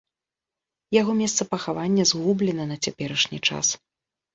Яго месца пахавання згублена на цяперашні час.